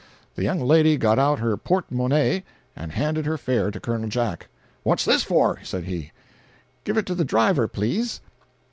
The young lady got out her porte monnaie, and handed her fare to Col. Jack. "What's this for?" said he. "Give it to the driver, please."